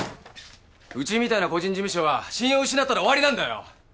うちみたいな個人事務所は信用失ったら終わりなんだよ！